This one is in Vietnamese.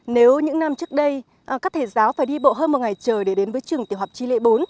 nếu những năm trước đây các thầy giáo phải đi bộ hơn một ngày trời để đến với trường tiểu học tri lễ bốn